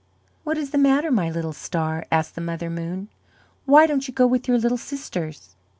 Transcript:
"What is the matter, my little star?" asked the Mother Moon. "Why don't you go with your little sisters?"